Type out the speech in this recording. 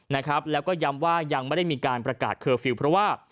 นะครับแล้วก็ย้ำว่ายังไม่ได้มีการประกาศเคอร์ฟิลล์เพราะว่า